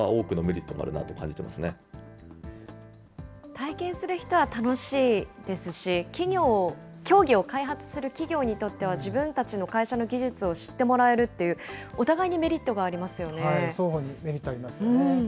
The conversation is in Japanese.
体験する人は楽しいですし、企業、競技を開発する企業にとっては、自分たちの会社の技術を知ってもらえるっていう、双方にメリットありますよね。